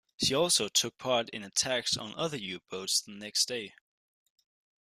She also took part in attacks on other U-boats the next day.